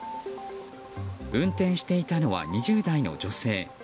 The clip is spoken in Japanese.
運転していたのは２０代の女性。